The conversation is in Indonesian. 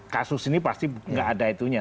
kasus ini pasti nggak ada itunya